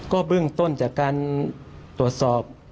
ก็เบื้องต้นจากการตรวจสอบ